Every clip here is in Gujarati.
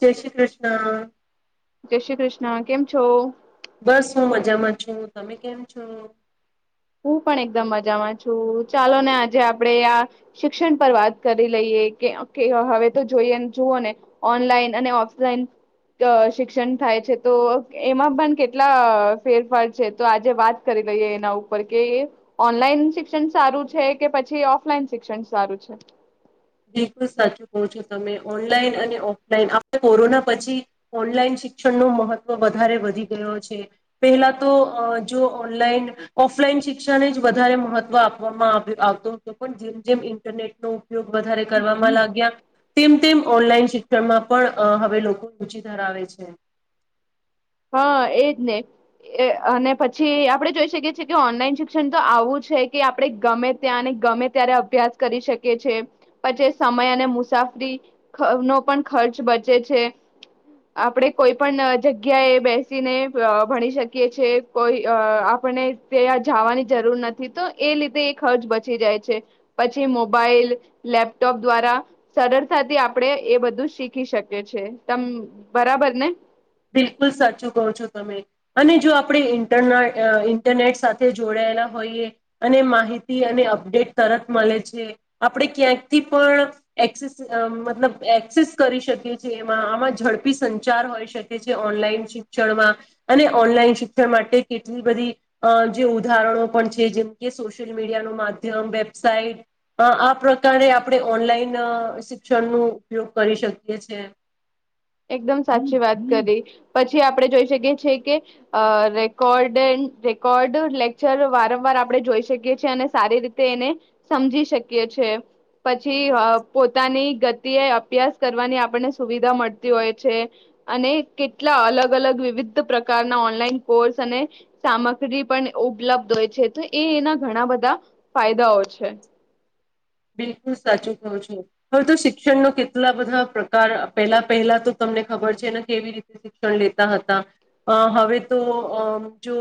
જય શ્રી કૃષ્ણ જય શ્રી કૃષ્ણ કેમ છો. બસ હું મજામાં છું તમે કેમ છો. હું પણ એકદમ મજામાં છું ચાલો ને આજે આપણેે આ શિક્ષણ પર વાત કરી લઈએ કે હવે તો જોઈએ જુઓ ને ઓનલાઈન અને ઓફલાઈન શિક્ષણ થાય છે તો એમાં પણ કેટલા ફેરફાર છે તો આજે વાત કરી લઈએ એના ઉપ પર કે ઓનલાઈન શિક્ષણ સારું છે કે પછી ઓફલાઈન શિક્ષણ સારું છે. બિલકુલ સાચું કહો છો તમે ઓનલાઈન અને ઓફલાઈન આપ કોરોના પછી, ઓનલાઈન શિક્ષણનુ મહત્વ વધારે વધી ગયો છે પેહલા તો જો ઓનલાઈન ઓફલાઈન શિક્ષણ જ વધારે મહત્વ આપવામાં આવ આવતો હતો પણ જેમ જેમ ઇન્ટરનેટનો ઉપયોગ વધારે કરવાવામાં લાગ્યા તેમ તેમ ઓનલાઈન શિક્ષણમાં પણ હવે લોકો રુચિ ધરાવે છે. હા એજ ને અને પછી આપડે જોઈ શકીએ છીએ કે ઓનલાઈન શિક્ષણ તો આવું છે કે આપણે ગમે ત્યાં અને ગમે ત્યારે અભ્યાસ કરી શકીએ છે પણ સમય અને મુસાફરી નો પણ ખર્ચ બચે છે આપણે કોઈ પણ જગ્યા જગ્યા એ બેસીને અ ભણી શકીએ છે કોઈ અ આપણને ત્યાં જવાની જરૂર નથી તો એ લીધે એ ખર્ચ બચી જાય છે પછી મોબાઈલ લેપટોપ દ્વારા સરળતાથી આપણે એ બધું શીખી શકીએ છે તમ બરાબર ને બિલકુલ સાચું કહો છો તમે અને જો આપણે ઇન્ટરના ઇન્ટરનેટ સાથે જોડાયેલા હોઈએ અને માહિતી અને અપડેટ તરત મળે છે આપણે ક્યાંકથી પણ એક્સેસ મતલબ એક્સેસ કરી શકીએ છી એમાં આમાં ઝડપી સંચાર હોય શક ઓનલાઈન શિક્ષણમાં અને ઓનલાઈન શિક્ષણ માટે કેટલી બધી અ જે ઉદાહરણો પણ છે જેમ કે સોશિયલ મીડિયાનું માધ્યમ વેબસાઇટ આ પ્રકારે આપણે ઓનલાઈન શિક્ષણનુ ઉપયોગ કરી શકીએ છે. એકદમ સાચી વાત કરી પછી આપણે જોઈ શકીએ છે કે રેકોર્ડ રેકોર્ડ લેક્ચર વારંવાર આપણે જોઈ શકીએ છીએ અને સારી રીતે એને સમજી શકીએ છે પછી અ પોતાની ગતિએ અભ્યાસ કરવાની આપણને સુવિધા મળ તી હોય છે અને કેટલા અલગ અલગ વિવિધ પ્રકારના ઓનલાઈન કોર્સ અને સામગ્રી પણ ઉપલબ્ધ હોય છે તો એ એના ઘણા બધા ફાયદાઓ છે. બિલકુલ સાચું કહો છો હવે તો શિક્ષણનો કેટલા બધા પ્રકાર પહેલા પહેલા તો તમને ખબર છેને કેવી રીતે શિક્ષણ લેતા હતા અ હવે તો અ જો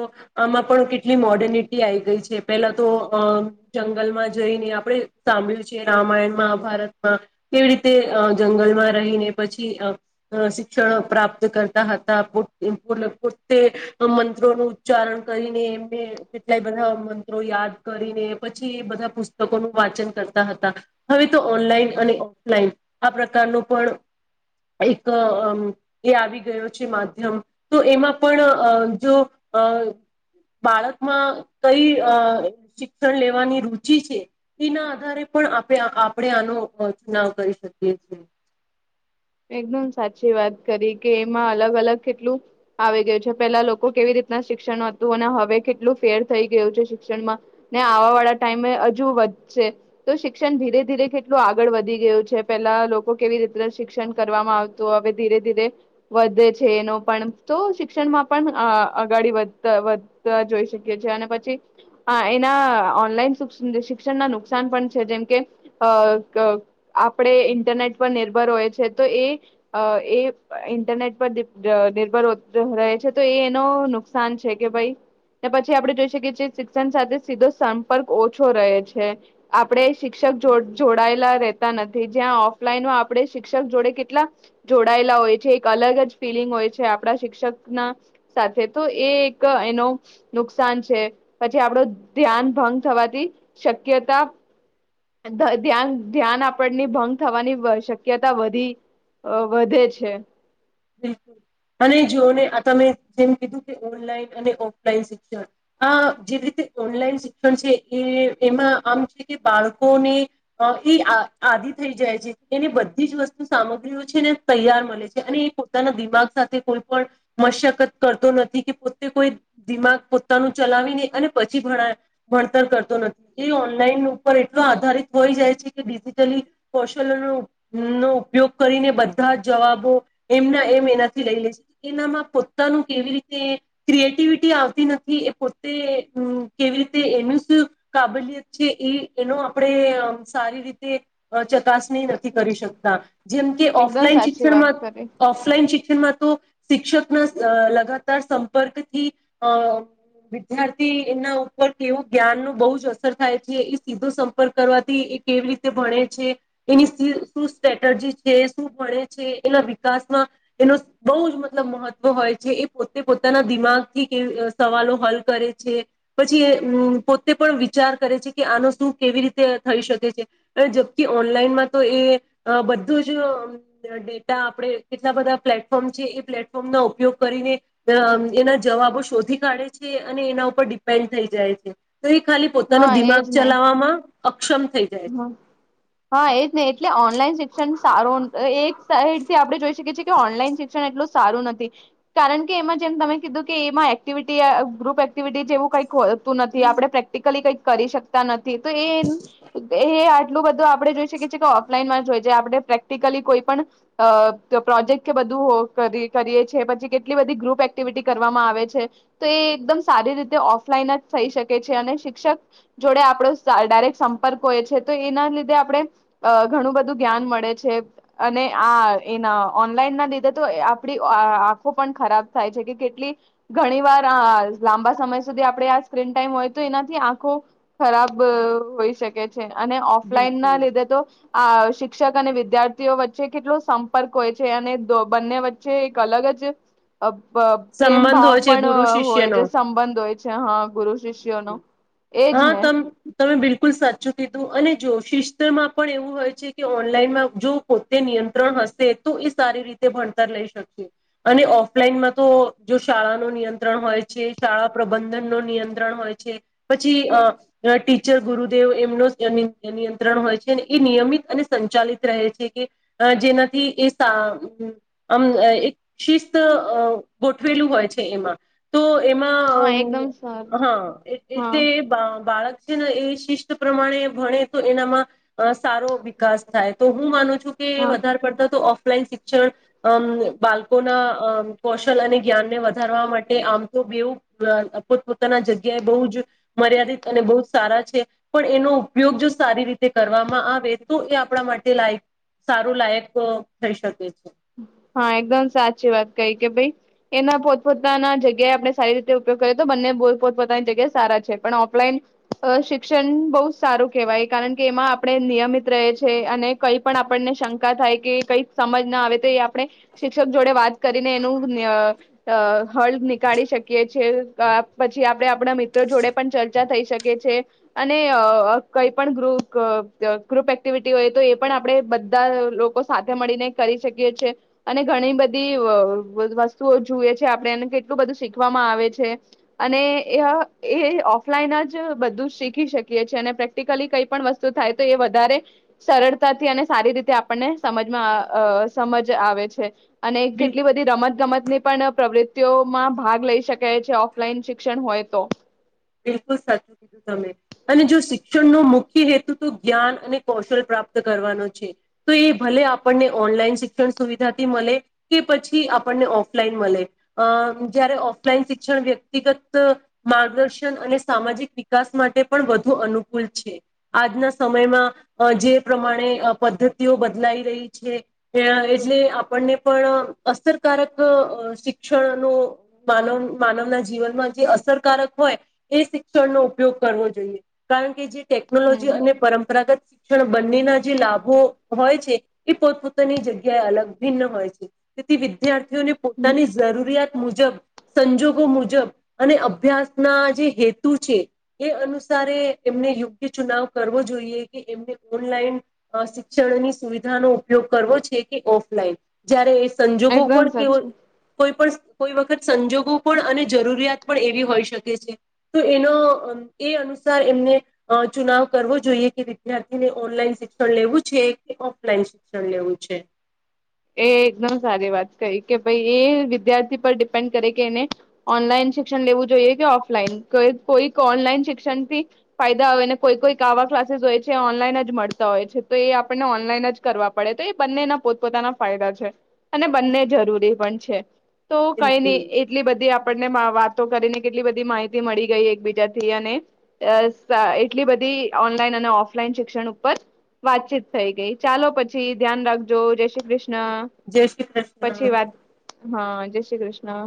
આમાં પણ કેટલી મોર્ડનિટી આ આવી ગઈ છે પહેલા તો અ જંગલમાં જઈને આપણે સાભળ્યું રામાયણ મહાભારતમાં કેવી રીતે અ જંગલમાં રહીને પછી શિક્ષણ પ્રાપ્ત કરતા હતા પોતે મંત્રોનું ઉચ્ચારણ કરીને એમને કેટલાય બધા મંત્રો યાદ કરીને પછી બધા પુસ્તકોનું વાચન કરતા હતા હવે તો ઓનલાઈન અને ઓફલાઈન આ પ્રકારનો પણ એક અમ એ આવી ગયો છે માધ્યમ તો એમાં પણ અ જો બાળકમાં કઈ અ શિક્ષણ લેવાની રુચિ છે. એના આધારે પણ આપણે આપણે આનો ચુનાવ કરી શકીએ છીએ. એકદમ સાચી વાત કરી કે એમાં અલગ અલગ કેટલું આવી ગયું છે પેલા લોકો કેવી રીતના શિક્ષણ હતું અને હવે કેટલું ફેર થઈ ગયું છે શિક્ષણમાં ને આવા વાળા ટાઈમે હજુ વધશે તો શિક્ષણ ધીરે ધીરે કેટલું આગળ વધી ગયું છે પેલા લોકો કેવી રીતના શિક્ષણ કરવામાં આવતું હવે ધીરે ધીરે વધે છે એનો પણ તો શિક્ષણમાં પણ અગાડી વધતા વધતા જોઈ શકીએ છીએ અને પછી એના ઓનલાઈન શિક્ષણના નુકસાન પણ છે જેમકે અ અ આપણેે ઇન્ટરનેટ પર નિર્ભર હોય છે તો એ અ એ ઈન્ટરનેટ પર નિર્ભર રહે છે તો એનો નુકસાન છે કે ભાઈ ને પછી આપડે જોઈ શકીએ શિક્ષણ સાથે સીધો સંપર્ક ઓછો રહે છે આપણે શિક્ષક જોડાયેલા રહેતા નથી જ્યાં ઓફલાઈન આપણે શિક્ષક જોડે કેટલા જોડાયેલા હોય છે એક અલગ જ ફિલિંગ હોય છે આપડા શિક્ષક ના સાથે તો એ એક એનો નુકસાન છે પછી આપડો ધ્યાન ભંગ થવાથી શક્યતા ધ્યાન ધ્યાન આપણની ભંગ થવાની શક્યતા વધી વધે છે. બિલ અને જોઓને આ તમે જેમ કીધું કે ઓનલાઈન અને ઓફલાઈન શિક્ષણ આ જે રીતે ઓનલાઈન શિક્ષણ છે એ એમાં આમ છે કે બાળકોને એ આ આદિ થઈ જાય છે એને બધી જ વસ્તુ સામગ્રીઓ છે ને તૈયાર મળે છે અને એ પોતાના દિમાગ સાથે કોઈ પણ મશકત કરતો નથી કે પોતે કોઈ દિમાગ પોતાનું ચલાવીને અને પછી ભણતર કરતો નથી એ ઓનલાઈન ઉપર એટલો આધારિત હોઈ જાય છે કે ડિજિટલી કૌશલનો નો ઉપયોગ કરીને બધા જવાબો એમના એમ એનાથી લઈ લે છે એનામાં પોતાનું કેવી રીતે ક્રિએટિવિટી આવતી નથી એ પોતે કેવી રીતે એનું શું કાબલિયત છે એ એનો આપણે સારી રીતે અ ચકાસણી નથી કરી શકતા જેમ કે એકદમ ઓફલાઈન સાચી વાત શિક્ષણમાં કરી ઓફલાઈન શિક્ષણમાં તો શિક્ષકના અ લગાતાર સંપર્કથી અ વિદ્યાર્થી એના ઉપર કેવું જ્ઞાન નુ બહુ જ અસર થાય છે એ સીધો સંપર્ક કરવાથી એ કેવી રીતે ભણે છે એની શુ સ્ટ્રેટજી છે શું ભણે છે એના વિકાસમાં એનો બહુ જ મતલબ મહત્વ હોય છે એ પોતે પોતાના દિમાગથી કેવી સવાલો હલ કરે છે‌ પછી એ પોતે પણ વિચાર કરે છે કે આનો શું કેવી રીતે થઈ શકે છે જબ કે ઓનલાઈનમાં તો એ બધું જ ડેટા આપણે કેટલા બધા પ્લેટફોર્મ છે એ પ્લેટફોર્મ ના ઉપયોગ કરીને એના જવાબો શોધી કાઢે છે અને એના ઉપર ડિપેન્ડ થઈ જાય છે. તો એ ખાલી પોતાનો હા દિમાગ એજ ને ચલાવવામાં અક્ષમ થઈ જાય છે. હ હા એજ નહ એટલે ઓનલાઈન શિક્ષણ સારો એક સાઈડ થી આપણે જો છે કે ઓનલાઇન શિક્ષણ એટલું સારું નથી કારણ કે એમાં જેમ તમે કીધું કે એમાં એક્ટિવિટી ગ્રુપ એક્ટિવિટી જેવું કઈક નથી આપણે પ્રેક્ટિકલી કઈ કરી શકતા નથી તો એ એ આટલું બધું આપડે જોઈ શકીએ છીએ કે ઓફલાઈન માં જે આપણે પ્રેક્ટિકલી કોઈ પણ, પ્રોજેક્ટ કે બધું કરીએ છીએ પછી કેટલી બધી ગ્રુપ એક્ટિવિટી કરવામાં આવે છે તો એ એકદમ સારી રીતે ઓફલાઈન જ થઈ શકે છે અને શિક્ષક જોડે આપડો ડાયરેક્ટ ક હોય છે તો એના લીધે આપણે ઘણું બધું જ્ઞાન મળે છે અને આ એના ઓનલાઈન ના લીધે તો આપણી આંખો પણ ખરાબ થાય છે કે કેટલી ઘણી વાર લાંબા સમય સુધી આપણે આ સ્ક્રીન ટાઈમ હોય તો એનાથી આંખો ખરાબ હોઈ શકે છે અને ઓફલાઈન ના બિલકુલ લીધે તો આ શિક્ષક અને વિદ્યાર્થીઓ વચ્ચે કેટલો સંપર્ક હોય છે અને બંને વચ્ચે એક અલગ જ પ્રેમ સંબંધ ભાવ હોય છે પણ ગુરુ હોય શિષ્યનો જે સંબંધ હોય છે હા ગુરુ શિષ્યો નો એજ હા ને તમ તમે બિલકુલ સાચું કીધું અને જો શિસ્તમાં પણ એવું હોય છે કે ઓનલાઈનમાં જો પોતે નિયંત્રણ હશે તો એ સારી રીતે ભણતર લઈ શકશે અને ઓફલાઈનમાં તો જો શાળા ન નિયંત્રણ હોય છે શાળા પ્રબંધન ન નિયંત્ર હોય છે પછી ટીચર ગુરુદેવ એમનો નિયંત્રણ હોય છે એ નિયમિત અને સંચાલિત રહે છે કે જેનાથી એમ એક શિસ્ત ગોઠવેલું હોય છે એમાં તો હા એમાં એકદમ અ સારું હા હા એટલે બા બાળક ને એ શિસ્ત પ્રમાણે ભણે તો એનામાં અ સારો વિકાસ થાય તો હું માનું છું કે હા વધારે પડતા તો ઓફ લાઈન શિક્ષણ બાળકોના અ કૌશલ અને જ્ઞાનને વધારવા માટે આમ તો બેવુ અ પોતાના જગ્યાએ બહુ જ મર્યાદિત અને બહ જ સારા છે પણ એનો ઉપયોગ જો સારી રીતે કરવામાં આવે તો એ આપણા માટે લાયક સારું લાયક થઈ શકે છે. હા એકદમ સાચી વાત કઈ કે ભાઈ એના પોતપોતાના જગ્યાએ આપણે સારી રીતે ઉપયોગ કરીએ તો બંને પોતપોતાની જગ્યાએ સારા છે પણ ઓફલાઈન શિક્ષણ બહુ જ સારું કેહેવાય કારણ કે એમાં આપણે નિયમિત રહે છે અને કઈ પણ આપણને શંકા થાય કે કંઈ સમજ ના આવે આપણે શિક્ષક જોડે વાત કરીને એનું અ અ હળ નીકાળી શકીએ છે પછી આપણે આપણા મિત્રો જોડે પણ ચર્ચા થઈ શકીએ છે અને અ કઈ પણ ગુ ગ્રુપ એક્ટિવિટી હોય તો એ પણ આપણે બધા લોકો સાથે મળીને કરી શક કી એ છે અને ઘણી બધી વસ્તુઓ જોએ છે આપડે અને કેટલું બધું શીખવામાં આવે છે અને એ ઓફલાઈન જ બધું શીખી શકીએ છે અને પ્રેક્ટિકલી કઈ પણ વસ્તુ થાય તો એ વધારે સરળતાથી અને સારી રીતે આપણને સમજમાં સમજ આવે છે. અને બિલ કેટલી બધી રમત ગમત ની પણ પ્રવૃ ત્યો માં ભાગ લઈ શકાય છે ઓફલાઈન શિક્ષણ હોય તો બિલકુલ સાચું કીધું તમે અને જો શિક્ષણનો મુખ્ય હેતુ તો જ્ઞાન અને કૌશલ પ્રાપ્ત કરવાનો છે તો એ ભલે આપણને ઓનલાઈન શિક્ષણ સુવિધાથી મળે કે પછી આપણને ઓફલાઈન મળે અ જયારે ઓફલાઈન શિક્ષણ વ્યક્તિગત માર્ગદર્શન શિક્ષણ અને સામાજિક વિકાસ માટે પણ વધુ અનુકૂળ છે આજના સમયમાં જે પ્રમાણે પદ્ધતિઓ બદલાઈ રહી છે એટલે આપણને પણ અસરકારક શિક્ષણનો માનવ માનવના જીવનમાં જે અસરકારક હોય એ શિક્ષણનો ઉપયોગ કરવો જોઈએ કારણ કે જે ટેકનોલોજી હમ અને પરંપરાગત પણ બંનેના જે લાભો હોય છે, એ પોતપોતાની જગ્યાએ અલગ ભિન્ન હોય છે, તેથી વિદ્યાર્થી ને પોતાની જરૂરિયાત મુજબ સંજોગો મુજબ અને અભ્યાસ ના જે હેતુ છે, એ અનુસારે એમને યોગ્ય ચુનાવ કરવો જોઈએ કે એમને ઓનલાઈન શિક્ષણની સુવિધાનો ઉપયોગ કરવો છે, કે ઓફલાઈન જય્યારે સંજોગો એકદમ પણ કેવ સાચું કોઈ પણ કોઈ વખત સંજોગો પણ અને જરૂરિયાત પણ એવી હોઈ શકે છે. તો એનો એ અનુસાર એમને ચુનાવ કરવો જોઈએ કે વિદ્યાર્થીને ઓનલાઈન શિક્ષણ લેવું છે, કે ઓફલાઈન શિક્ષણ લેવું છે, એ એકદમ સારી વાત કઈ કે ભાઈ એ વિદ્યાર્થી પર ડિપેન્ડ કરે કે એને ઓનલાઈન શિક્ષણ લેવું જોઈએ કે ઓફલાઈન કે કોઈક ઓનલાઈન શિક્ષણ થી ફાયદા હોય ને કોઈ કોઈક આવા ક્લાસીસ હોય છે, ઓનલાઈન જ મળતા હોય છે, તો એ આપણને ઓનલાઈન જ કરવા પડે તો એ બંનેના પોતપોતાના ફાયદા છે, અને બંને જરૂરી પણ છે. તો કઈ નહી બિલકુલ એટલી બધી આપડ વાતો કરીને કેટલી બધી માહિતી મળી ગઈ એકબીજા થી અને એટલી બધી ઓનલાઈન અને ઓફલાઈન શિક્ષણ ઉપર વાતચીત થઈ ગઈ ચાલો પછી ધ્યાન રાખજો જય શ્રી કૃષ્ણ. કૃષ્ણ જય શ્રી પછી કૃષ્ણ વાત હા, જય શ્રી કૃષ્ણ.